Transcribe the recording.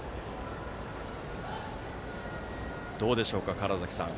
どうでしょうか、川原崎さん。